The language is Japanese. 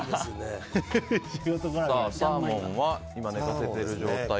サーモンは今寝かせている状態。